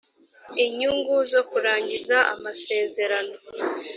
inyungu zo kurangiza amasezerano